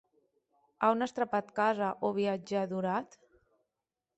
A on as trapat casa, ò viatgèr adorat?